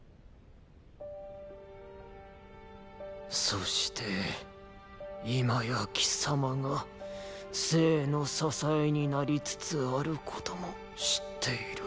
そして今や貴様が政の支えになりつつあることも知っている。